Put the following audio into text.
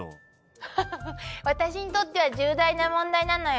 ハハハハ私にとっては重大な問題なのよ。